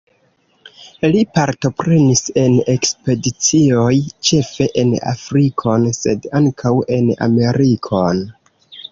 Li partoprenis en ekspedicioj, ĉefe en Afrikon, sed ankaŭ en Amerikon.